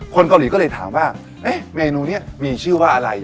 คนเกาหลีก็เลยถามว่าเมนูนี้มีชื่อว่าอะไร